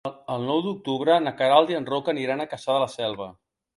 El nou d'octubre na Queralt i en Roc iran a Cassà de la Selva.